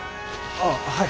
ああはい。